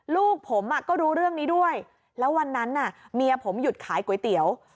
ลูกผมก็รู้เรื่องนี้ด้วยแล้ววันนั้นน่ะเมียผมหยุดขายก๋วยเตี๋ยว